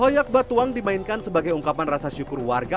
oyak batuang dimainkan sebagai ungkapan rasa syukur warga